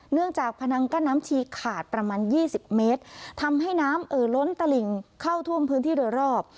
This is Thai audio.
จากพนังกั้นน้ำชีขาดประมาณยี่สิบเมตรทำให้น้ำเอ่อล้นตลิ่งเข้าท่วมพื้นที่โดยรอบ